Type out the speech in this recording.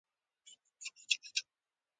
دا جلا نظام له فیوډالېزم سره ډېر مشابهتونه لرل.